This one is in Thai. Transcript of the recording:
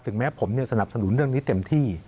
แม้ผมสนับสนุนเรื่องนี้เต็มที่